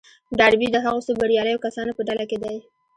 ډاربي د هغو څو برياليو کسانو په ډله کې دی.